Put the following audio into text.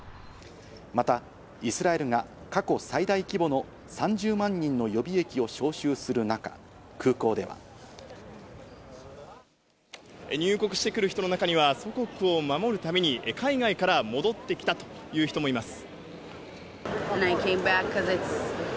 また、イスラエルが過去最大規模の３０万人の予備役を招集する中、空港では入国してくる人の中には祖国を守るために海外から戻ってきたという人もいます。